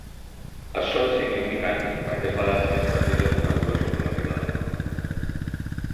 Açò és significant perquè és la data més precisa coneguda sobre la vida de Pau.